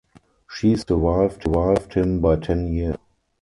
She survived him by ten years.